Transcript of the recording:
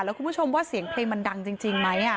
แล้วคุณผู้ชมว่าเสียงเพลงมันดังจริงไหม